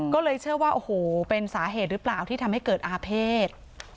ก็เลยเชื่อว่าโอ้โหเป็นสาเหตุหรือเปล่าที่ทำให้เกิดอาเภษ